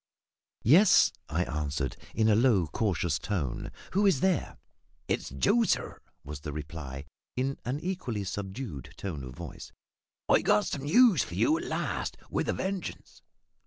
"Yes," I answered, in a low cautious tone; "who is there?" "It's Joe, sir," was the reply, in an equally subdued tone of voice. "I've got some news for you at last, with a vengeance!"